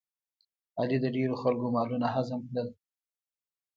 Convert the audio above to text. علي د ډېرو خلکو مالونه هضم کړل.